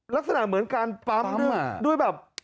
ลักษณะเหมือนการปั๊มด้วยแบบ